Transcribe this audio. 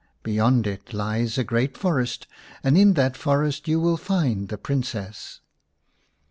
Beyond it lies a great forest, and in that forest you will find the Princess."